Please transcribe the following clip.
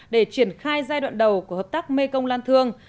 để triển khai giai đoạn đầu của hợp tác mê công lan thương